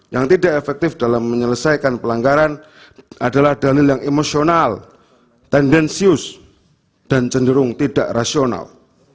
yang tidak efektif dalam menyelesaikan pelanggaran adalah dalil yang emosional tendensius dan cenderung tidak rasional